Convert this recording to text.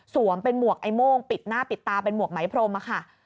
เป็นหมวกไอ้โม่งปิดหน้าปิดตาเป็นหมวกไหมพรมค่ะ